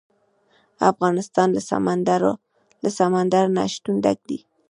افغانستان له سمندر نه شتون ډک دی.